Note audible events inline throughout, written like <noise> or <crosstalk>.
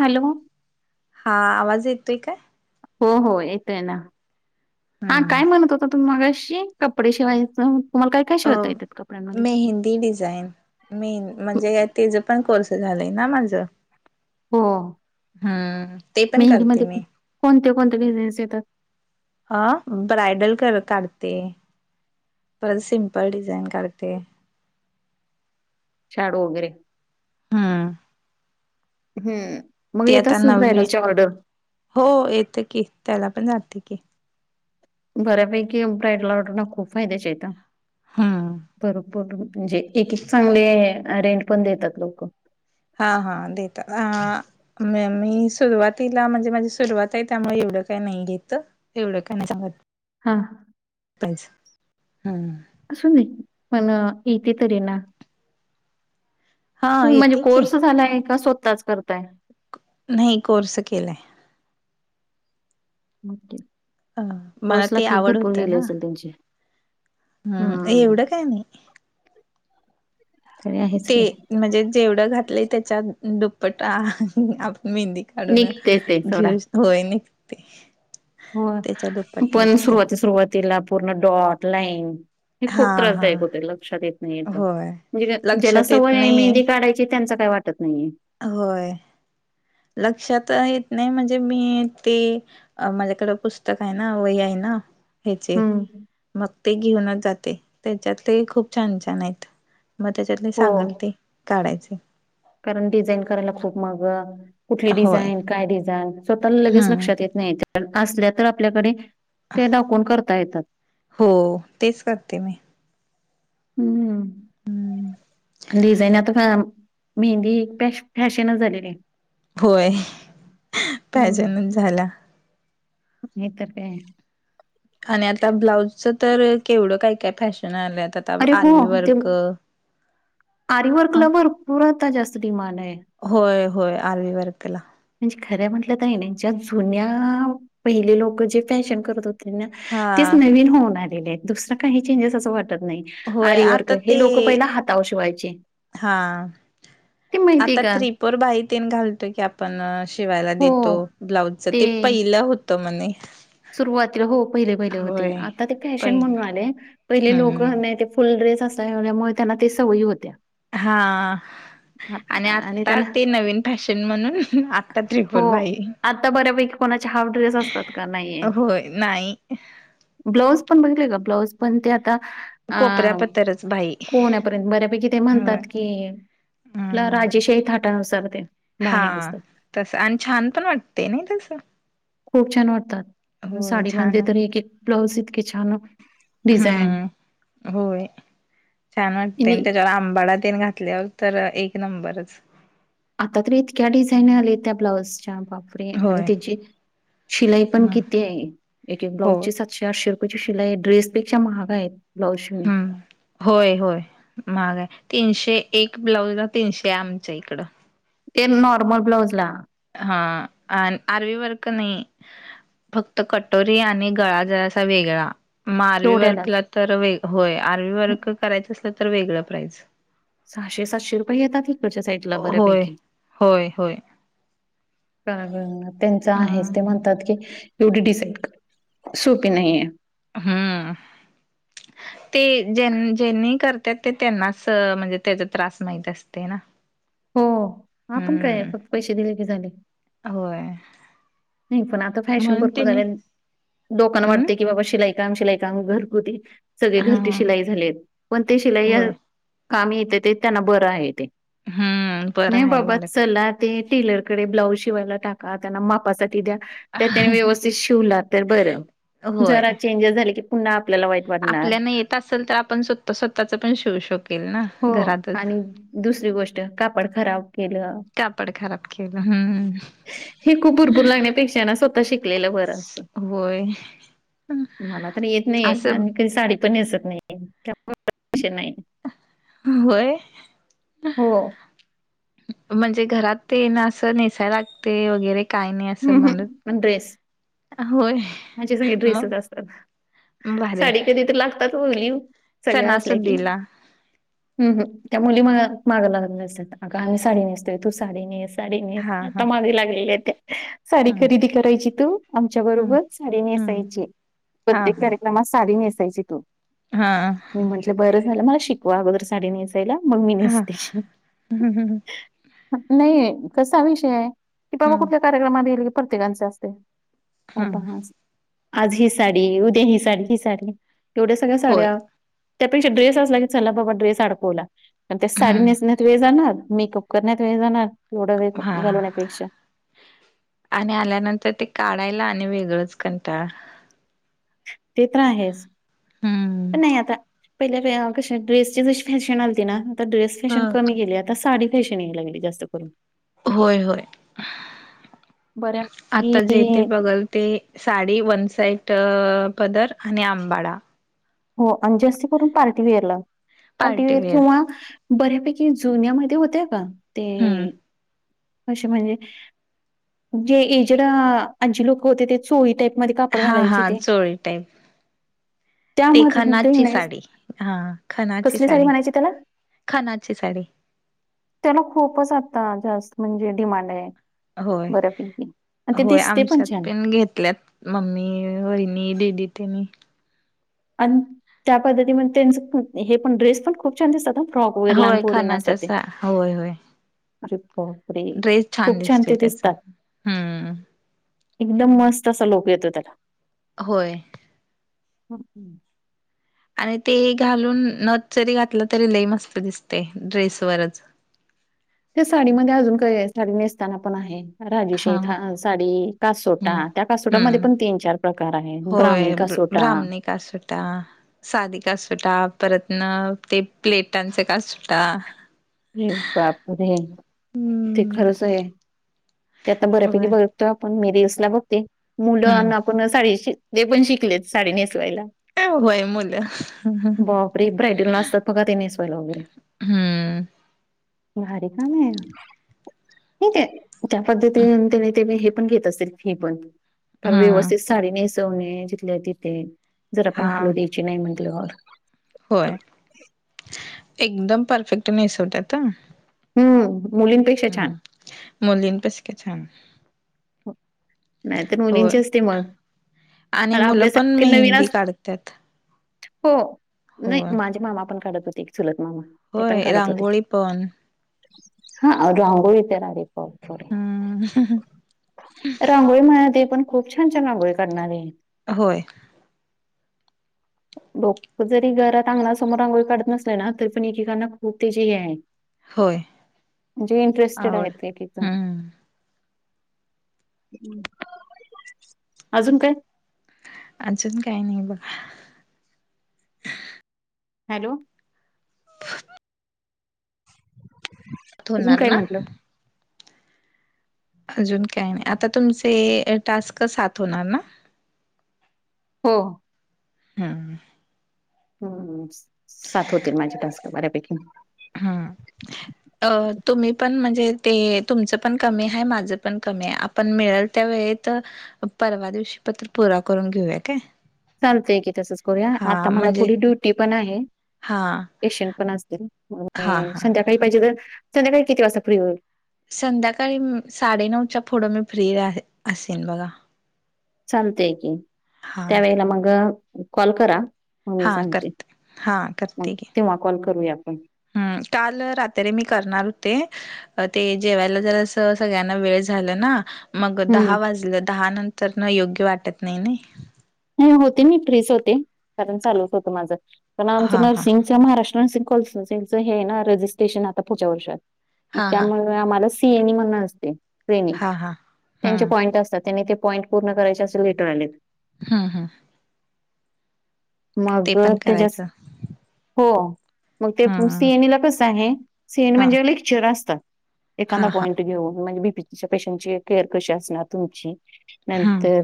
Hello. हा आवाज येतोय काय? हो हो येतय ना हा हम्म. काय म्हणत होता तुम्ही मगाशी? कपडे शिवायचं तुम्हाला काय काय शिवता येतात कपड्यांमध्ये मेहंदी डिझाईन मेंद म्हणजेत तेजं पण कोर्स झालय ना माझं. हो हम्म ते पण करते मेहंदीमध्ये मी. कोणते कोणते डिझाईन येतात? ह ब्रायडल कर काढते परत सिम्पल डिझाईन काढते. शाडो वगैरे हम्म. हम्म. मग ती येत आता असेल नववी ब्रायडलच्या ऑर्डर हो येत की त्याला पण जाते की. बऱ्यापैकी ब्रायडल ऑर्डरला खूप फायद्याच्या आहेता हम्म. भरपूर म्हणजे एक एक चांगले अ रेंट पण देतात लोक. हा हा देतात ह म मी सुरुवातीला म्हणजे माझी सुरुवात आहे त्यामुळे एवढं काही नाही घेत. तेवढं काय नाय सांगत. हा. कामच हम्म <unintelligible> असू दे पण येते तरी ना. हा हो म्हणजे येते की. कोर्स झालाय का स्वतःच करताय? नाय कोर्स केलाय. ओके अ मला कोर्सला ते फी आवड भरपूर गेली असेल तुमची. हम् एवढं काय नाय. तरी आहेच ते की. म्हणजे जेवढं घातलंय त्याच्या दुप्पटा आपण मेहंदी काढून निघतेच ते सोडा घेऊन होय निघते. त्याच्या दुप्पट हो पण निघते. सुरवाती सुरुवातीला पूर्ण डॉट लाईन हे हा खूप हा त्रासदायक होते लक्षात येत नाही होय. म्हणजे ज्याला लक्षात येत सवय आहे नाही मेहंदी काढायची त्यांचं काय वाटत नाही. होय लक्षात येत नाही म्हणजे मी ते अ माझ्याकडे पुस्तक हायना वही हायना. ह्याचे हम्म मग ते घेऊनच जाते त्याच्यात ते खूप छान छान आहेत. मग त्याच्यातलं हो सांगल ते काढायची. कारण डिझाईन करायला लागतो मग कुठली होय डिझाईन काय डिझाईन स्वतःला लगेच हम्म लक्षात येत नाही तर असल्या तर आपल्याकडे ते दाखवून करता येतात. हो तेच करते मी. हम्म डिझईन आता का <unintelligible> मेहंदी ही एक फॅशनच झालेली हा होय फॅशनच झाल्या. नाय तर काय. आणि आता ब्लाउजच तर काय काय केवढं फॅशन आलय आता तर अरे काय आरी वर्क ह आरीवर्कला आता भरपूर जास्त डिमांड आहे. होय होय आरी वर्कला. म्हणजे खर्या म्हटलं त नाही ज्या जुन्या पहिले लोक जे फॅशन करत होते हा तेच नवीन होऊन आलेले आहेत दुसरं काही चेंजेस असं वाटत नाही. होय आरी वर्क आता ते हे लोक पहिले हातावर शिवायचे. हा ते माहितीय आता का? थ्री फोर भाई तेन घालतो की आपण शिवायला हो देतो ब्लाउज च ते पहिलं होत म्हणे. सुरुवातीला हो पहिले पहिले होते होय आता ते फॅशन म्हणून पहिलं आले पहिले लोक हम्म नाय ते फुल ड्रेस असाल्यामुळे त्यांना ते सवयी होत्या. हा. आणि आ- आता त्यांना ते नवीन फॅशन म्हणून आता हो. त्रिफोथ बाही. आता बर्यापैकी कोणाचे हाफ ड्रेस असतात का नाहीये. होय नाही. ब्लाऊज पण बघितलेय का ब्लाऊज पण ते आता अ, कोपऱ्यापत्तरच कोण्यापर्यंत बर्यापैकी ते म्हणतात की आपला हम्म राजेशाही थाटानुसार ते बाहे असतात. तसं आणि छान पण वाटते नाही तसं. खूप छान वाटतात छान साडीमध्ये तर एक एक ब्लाऊज इतके छान डिझाईन हम्म होय छान वाटते आणि त्याच्यावर आंबाडा तेन घातल्यावर तर एक नंबरच. आता तर इतक्या डिझाईन आले त्या ब्लाउजच्या बाप रे आणि होय त्याची शिलाई पण ह किती आहे एक एक ब्लाउज होय ची सत चारशे रुपयाेची शिलाई आहेड्रेस पेक्षा महागा ब्लाउज शि हम्म होय होय महाग आहे तीनशे एक ब्लाउजला तीनशे आहे आमच्या इकडं. ते नॉर्मल ब्लाउज ला. हा अ अरवी वर्क नाही फक्त कटोरी आणि गळा जरासा वेगळा. मग आर्वी तेवढ्यालाच वर्कला तर व होय आर्वी करायचं असलं तर वेगळं प्राईज. सहाशे सातशे रुपये घेतात हीकडच्या साईडला होय बऱर्यापैकी. होय होय त्यांच आहे ते हम्म. म्हणतात की एवढी डिसाईड सोपी <unintelligible> नाहीये. हम्म. ते जेनी ज्यांनी करत्यात ते, त्यांनाच म्हणजे त्यांचा त्रास माहीत असते ना. हो आपण काय हम्म फक्त पैसे दिले की झाले. होय. नाही पण आता फॅशन म्हणून भरपूर त्यांनी झालंय. लोकांना हम्म वाटते की बाबा शिलाई. काम. शिलाई काम घरगुती सगळे, घरची हा शिलाई झालेत पण ते शिलाई. होय काम येते ते त्यांना बरं आहे ते, हम्म नाही बरं आहे बाबा उलट चला. ते टेलरकडे ब्लाऊज शिवायला टाका. त्यांना मापासाठी द्या. त्या त्यांनी व्यवस्थित शिवला तर बरं. जरा चेंजेस झाले की पुन्हा आपल्याला वाईट. वाटणार. आपल्यान येत असल तर, आपण स्वतः स्वतःच पण शिवू शकेल ना हो घरातच. आणि दुसरी गोष्ट कापड खराब केलं. कापड खराब केलं हम हम. पूर लागण्यापेक्षा ना, स्वतः शिकलेलं बरं असतं. होय. मला तर येत नाही ये असं आणि मी कधी साडी. नेसत नाही <unintelligible> व्हय. हो. म्हणजे घरात तेन असं नेसाय लागते वगैरे. काय नाही असं म्हणत अहम ड्रेस. होय म्हणजे सगळे मग ड्रेसच असतात. भारी साडी कधी तर लाग आताचं बोलीव सगळे असल्या की. सणासुदीला हम त्या मुली माग लागलेल्या असतात. आगं आम्ही साडी नेसतोय तू साडी नेस. साडी नेस हा हा आता मागे लागलेल्या त्या. साडी हम्म खरेदी करायची तू, आमच्या हम्म बरोबर साडी हम्म नेसायची हा प्रत्येक हा कार्यक्र मग साडी नेसायची तू. हा. मी म्हंटलं बरं झालं मला शिकवा, अगोदर साडी नेसायला मग मी हा नेसते. हम्म नाही कसा विषय आहे. की बाबा हम्म कुठल्या कार्यक्रमात गेल की प्रत्येकांच असतंय. अबा हम्म हाज आज ही साडी उद्या, ही साडी ही साडी. एवढ्या सगळ्या होय साड्या, त्यापेक्षा ड्रेस असला की चला बाबा ड्रेस अडकवला. पण ते साडी हम्म नेसण्यात वेळ जाणार. मेकअप करण्यात वेळ जाणार येवढा वेळ हा घालवण्यापेक्षा. आणि आल्यानंतर ते काढायला आणि वेगळंच कंटाळा. ते तर आहेच, हम्म पण नाही आता. पहिले क ड्रेसचे जशी फॅशन आलती ना आता ड्रेसची ह फॅशन कमी केेली. आता साडी फॅशन याय लागली जास्त करून. होय होय. बऱ्या आता जे तेे बघल ते. साडी वन साईट पदर आणि आंबाडा. हो आणि जास्ती करून पार्टीवेअरला. पार्टीवेअर किंवा, बर्यापैकी जुन्यामध्ये होत्या का हम्म ते. असे म्हणजे जे एजड आजी लोकं होते. ते चोळी टाईप मध्ये काप हा हा चोळी टाईप. ते त्यामध्ये खनाची नाही साडी हा खनाची कसली साडी. म्हणायची त्याला? खनाची साडी. त्याला खूपच आता जास्त म्हणजे डिमांड आहे. होय बऱ्यापैकी आणि ते होय दिसते आमच्यात छान पण घेतल्यात. ममी वैनी दीदी त्यांनी आणि त्या पद्धती म त्यांच हे पण ड्रेस पण खूप छान दिसतात ना फ्रॉक वगैरे होय लहानपोरीन असतात खनाच्या ते सा होय होय अरे री ड्रेस खूप छान दिसतोय ते त्याचा दिसतात. हम्म एकदम मस्त असा लुक येतो त्याला. होय. हमम <unintelligible> आणि ते घालून नथ जरी घातलं तरी लय मस्त दिसते ड्रेसवरच. त्या साडीमध्ये अजून काय साडी नेसताना पण आहे हा राजेशाही साडी कासोटा हम्म त्या कासोटामध्ये हम्म पण तीन चार प्रकार आहे होय ब्राह्मिक ब्र कसोटा ब्राह्मणी कासोटा साधी कासोटा परत न ते प्लेटांची कासोटा हे बापण ते हम्म खरंच आहे ते आता बऱ्यापैकी होय बघ <unintelligible> मेरीस ला बघते हम्म मुलं आपण श ते पण शिकलेत साडी नेसवायला होय मुलं बापरे ब्रायडलला असतात बघा ते नेसवायला वगैरे. हम्म. भारी काम आहे ठिके आहे त्या पद्धतीने ते हे पण घेत असतील फी पण हम्म साडी नेसवणे जिथल्या तिथे जर आपण हा हलू द्यायची नाही म्हणल्यावर होय एकदम परफेक्ट नेसवतात ह. हम्म मुलींपेक्षा छान. मुलींपेक्षा छान. नाही तर होय मुलींची असते मग आणि मुलं पण आपल्यासारख नवीन मेहंदी अस काढतात हो नाही होय माझे मामा पण काढत होते चूलत मामा. ते पण होय काढत होते रांगोळी पण हा रांगोळी तर <unintelligible> हम्म. रांगोळी म्हणाते पण खूप छान छान रांगोळी काढणारी होय. लोक जरी घरात समोर रांगोळी काढत ना तरी पण एकेकांना खूप त्याची हे आहे होय जे इंटरेस्टेड आहे आवड ते तिथं. हम्म अजून काय? अजून काही नाही बघा. हॅलो. अजून धूणार काय ना? म्हटलं? अजून काही नाही आता तुमचे टास्क सात होणार ना? हो. हम. हो हो सात होतील माझे टास्क बऱ्यापैकी हम्म. अ तुम्ही पण म्हणजे ते तुमचं पण कमी आहे माझं पण कमी आहे आप पण मिळेल त्या वेळीेत परवा दिवशी पत्र पुरा करून घेऊया काय. चालतं आहे की तसंच हा आता मला म्हणजे थोडी ड्युटी पन आहे. हा एशियन पण असतील हा आणि हा संध्याकाळी पाहिजे तर संध्याकाळी किती वाजता फ्री होईल? संध्याकाळी साडेनऊच्या पुढं मी फ्री आहे असेन बघा. चालतय की हा त्यावेेळेला मग कॉल करा. मी हा सांगते, करते हा हं करते की तेव्हा कॉल करूया आपण. हम्म.. काल रात्री मी करणार होते. अ अ ते जेवायला जरास सगळ्यांना वेळ झाला ना... मग हम्म दहा वाजल, दहा नंतरन योग्य वाटत नही नय. मी होते. मी प्रेस होते कारण, चालूच होत, माझं पण आमच हा हा नर्सिंग.. त्या महारासट्र नर्सिंग कॉल सेंनसच हे आहे, ना रजिस्ट्रेशन आता पुढच्या वर्षात त्यामूळ.. हा आमाला सिएनइ म्हणून असते. ट्रेनींग हा हा त्यांचे हम्म पॉईंट असतात, त्यानी ते पॉईंट पूर्ण करायचे असे लेटर आलय. हा हा... मग पण तेजस करायचं हो मग ते हम्म सीएनई ला कस आहे, सीएनईला हा म्हणजे लेक्चर असतात. हा एखांदा हा पॉईंट घेऊन म्हणजे, बीपीच्या पेशंटची केअर कशी असणार तुमची.. हम्म नंतर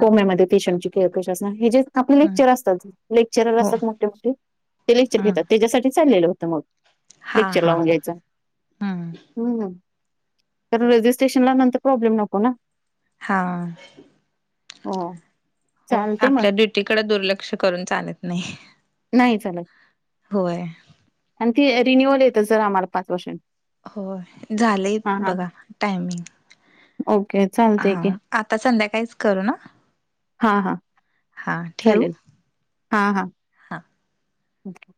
कोंब्यामध्ये फिशमची केळ कश अस हे जे <unintelligible> आपले हम्म लेक्चर असतात, लेक्चरर हो असतात मोठे मोठे ते लेक्चर हम्म घेतात. त्याच्यासाठी चाललेलं होतं मग, हा लेक्चर हा लावून हा घ्यायचं हम्म ना, कारण रजिस्ट्रेशनला नंतर प्रॉब्लेम नको ना. हा हो हो चालते मग आपल्या दि... तिकड दुर्लक्ष करून चालत नाही. नाही चालत, होय अन ती रिन्युअल येत जर आम्हाला पाच वर्षांनी. हो, झालंय हा हा बघा टायमिंग. ओके हा चालतंय की आ.. आता संध्याकाळीच करू ना. हा हा हां ठेवू? चालेल. हा हा.. हां. हं <inaudible>